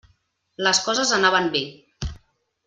Les coses anaven bé.